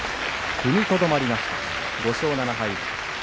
踏みとどまりました５勝７敗。